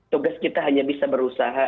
tugas kita hanya bisa berusaha